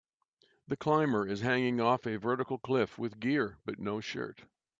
The climber is hanging off a vertical cliff with gear but no shirt